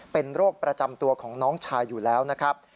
เป็นโรคประจำตัวของน้องชายอยู่แล้วนะครับ